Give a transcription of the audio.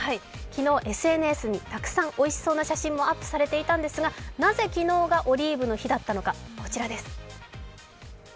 昨日ＳＮＳにおいしそうな写真もたくさんアップされていたんですがなぜ昨日がオリーブの日だったのか、こちらです。